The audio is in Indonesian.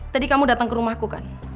tadi kamu datang ke rumahku kan